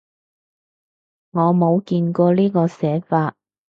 我冇見過呢個寫法